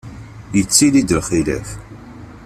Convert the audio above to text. Yettili-d lxilaf.